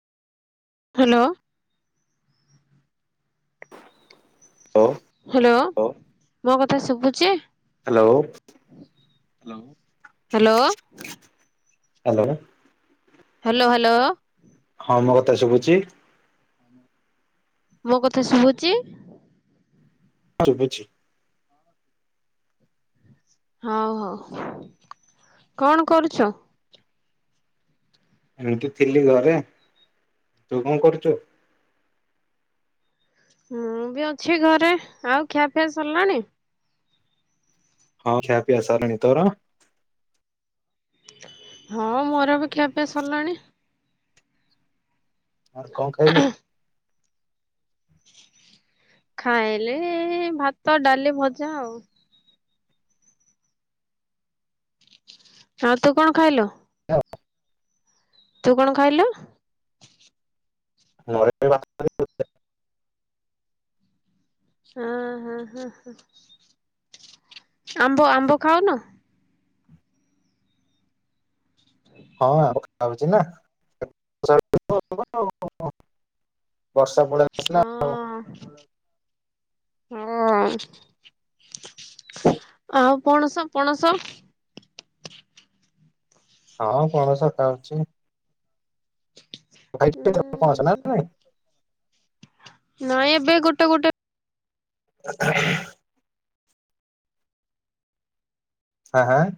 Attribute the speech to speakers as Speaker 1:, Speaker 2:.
Speaker 1: Hello.
Speaker 2: ଅ
Speaker 1: hello ମୋ କଥା ଶୁଭୁଛି?
Speaker 2: Hello.
Speaker 1: Hello hello.
Speaker 2: Hello.
Speaker 1: Hello hello.
Speaker 2: ହଁ ମୋ କଥା ଶୁଭୁଛି?
Speaker 1: ମୋ କଥା ଶୁଭୁଛି।
Speaker 2: ହଁ ଶୁଭୁଛି।
Speaker 1: ହଁ ହଁ କଣ କରୁଛ?
Speaker 2: ଏମିତି ଥିଲି ଘରେ ତୁ କଣ କରୁଛୁ?
Speaker 1: ମୁଁ ବି ଅଛି ଘରେ ଆଉ ଖିଆ ପିଆ ସରିଲାଣି?
Speaker 2: ହଁ ଖିଆ ପିଆ ସରିଲାଣି ତୋର?
Speaker 1: ହଁ ମୋର ବି ଖିଆ ପିଆ ସରିଲାଣି।
Speaker 2: ଆଉ କଣ ଖାଇଲୁ?
Speaker 1: ଖାଇଲି ଇ ଈ ଭାତ ଡାଲି ଭଜା ଆଉ। ଆଉ ତୁ କଣ ଖାଇଲୁ?
Speaker 2: ହ୍ୟ।
Speaker 1: ତୁ କଣ ଖାଇଲୁ?
Speaker 2: ମୋର ଏବେ ଭାତ [unintelligible]
Speaker 1: ଆ ହଁ ହଁ ଆମ୍ବ ଆମ୍ବ ଖାଉନୁ?
Speaker 2: ହଁ ଆମ୍ବ ଖାଉଚି ନା [unintelligible] ବର୍ଷ ପଳା
Speaker 1: ହଁ। ହଁ ଆଉ ପଣସ ପଣସ।
Speaker 2: ହଁ ପଣସ ଖାଉଚି। [unintelligible] ପଣସ ନା ନାଇଁ।
Speaker 1: ନାଇଁ ଏବେ ଗୋଟେ ଗୋଟେ
Speaker 2: [inaudible] ହାଁ ହାଁ।